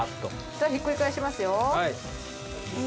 さぁひっくり返しますよ。